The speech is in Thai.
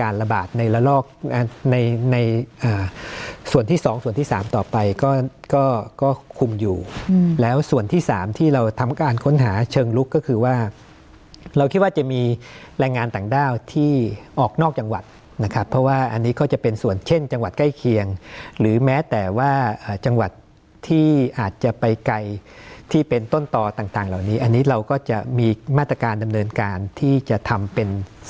ระบาดในระลอกในในส่วนที่สองส่วนที่๓ต่อไปก็ก็คุมอยู่แล้วส่วนที่๓ที่เราทำการค้นหาเชิงลุกก็คือว่าเราคิดว่าจะมีแรงงานต่างด้าวที่ออกนอกจังหวัดนะครับเพราะว่าอันนี้ก็จะเป็นส่วนเช่นจังหวัดใกล้เคียงหรือแม้แต่ว่าจังหวัดที่อาจจะไปไกลที่เป็นต้นต่อต่างเหล่านี้อันนี้เราก็จะมีมาตรการดำเนินการที่จะทำเป็น